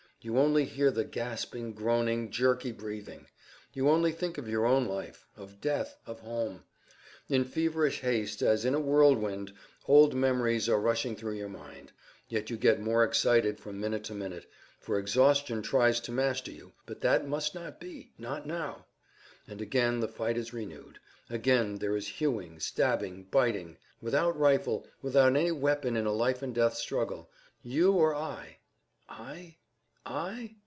You only hear the gasping, groaning, jerky breathing. You only think of your own life, of death, of home. In feverish haste, as in a whirlwind, old memories are rushing through your mind. Yet you get more excited from minute to minute, for exhaustion tries to master you; but that must not be—not now! And again the fight is renewed; again there is hewing, stabbing, biting. Without rifle, without any weapon in a life and death struggle. You or I. I?